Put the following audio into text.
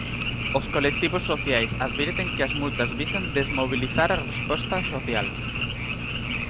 Os colectivos sociais advirten que as multas visan desmobilizar a resposta social.